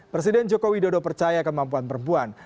presiden joko widodo percaya kemampuan perempuan